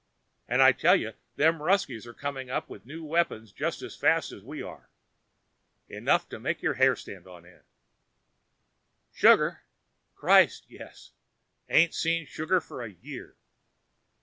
And I tell you them Ruskies are coming up with new weapons just as fast as we are. Enough to make your hair stand on end. Sugar? Christ, yes! Ain't seen sugar for a year.